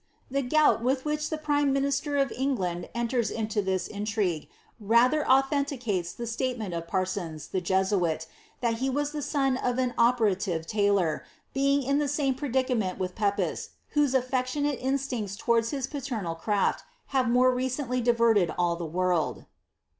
Tlie goiil wiHt which the prime miniater of Englanii enters into this inlri|;ue, reiher authenticates the statement of Parsons, the Jesuit, ihal he was ihv aon of an operative lailiir,' being in the same predicament witli i'epTi, whose alFeciionate instinets towards hia paternal crufl have ninre rt rently diverted all the world.